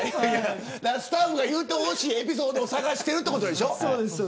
スタッフが言ってほしいエピソードを探しているということでしょ。